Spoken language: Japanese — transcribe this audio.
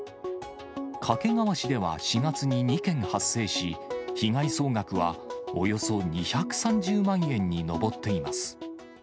掛川市では４月に２件発生し、被害総額はおよそ２３０万円に上っています。